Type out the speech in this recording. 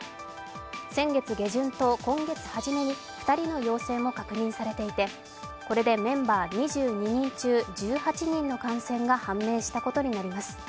先月下旬と今月初めに２人の陽性も確認されていてこれでメンバー２２人中１８人の感染が判明したことになります。